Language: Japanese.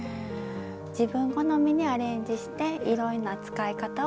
自分好みにアレンジしていろんな使い方を楽しんで下さい。